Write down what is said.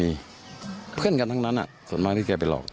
มีเพื่อนกันทั้งนั้นส่วนมากที่แกไปหลอก